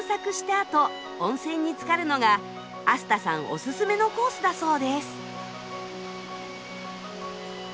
あと温泉につかるのがアスタさんおすすめのコースだそうです。